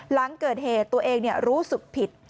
หลังเกิดเหตุตัวเองรู้สึกผิด